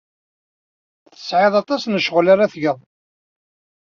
Tesɛid aṭas n ccɣel ara tged.